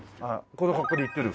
この格好で行ってる？